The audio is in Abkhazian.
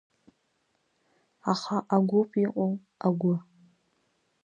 Аха агәоуп иҟоу, агәы…